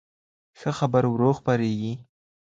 ښه خبر ورو خپرېږي